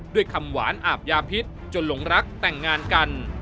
ด้วยคำหวานอาบยาพิษจนหลงรักแต่งงานกัน